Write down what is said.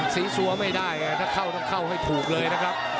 สีสัวไม่ได้ถ้าเข้าต้องเข้าให้ถูกเลยนะครับ